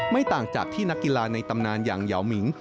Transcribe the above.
ต่างจากที่นักกีฬาในตำนานอย่างเหยาวมิง